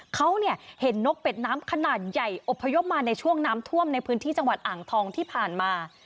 เขาเห็นนกเป็ดน้ำขนาดใหญ่อบพยพมาในช่วงน้ำท่วมในพื้นที่จังหวัดอ่างทองที่ผ่านมา